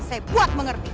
saya buat mengerti